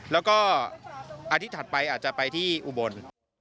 แล้วก็อาทิตย์ถัดไปอาจจะไปที่อุบล